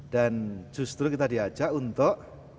dan justru kita diajak untuk